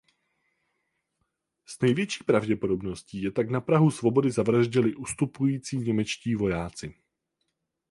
S největší pravděpodobností je tak na prahu svobody zavraždili ustupující němečtí vojáci.